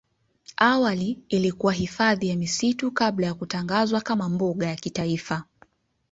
Awali ilikuwa ni hifadhi ya misitu kabla ya kutangazwa kama mbuga ya kitaifa.